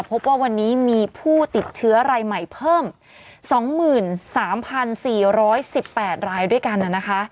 พบว่าวันนี้มีผู้ติดเชื้อรายใหม่เพิ่ม๒๓๔๑๘รายด้วยกันนะคะ